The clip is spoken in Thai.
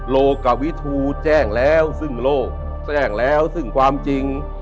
โลกวิทูแจ้งแล้วซึ่งโลกแจ้งแล้วซึ่งความจริง